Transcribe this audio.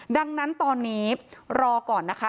ดังนั้นตอนนี้รอก่อนนะคะ